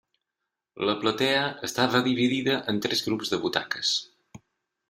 La platea estava dividida en tres grups de butaques.